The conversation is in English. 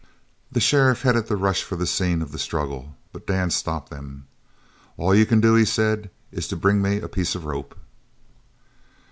The sheriff headed the rush for the scene of the struggle, but Dan stopped them. "All you c'n do," he said, "is to bring me a piece of rope."